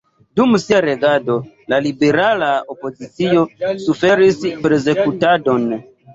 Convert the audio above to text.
Dum sia regado la liberala opozicio suferis persekutadon.